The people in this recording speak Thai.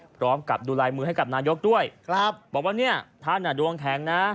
พร้อมกับดูลายมือให้กับนายกด้วยบอกว่าเนี่ยท่านดวงแข็งนะ